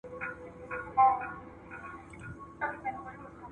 ایا تاسي د انټرنيټ سرعت خوښوئ؟